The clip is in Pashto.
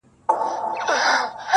ګورﺉقاسم یار چي په ګناه کي هم تقوا کوي,